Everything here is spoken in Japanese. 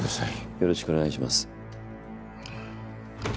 よろしくお願いします。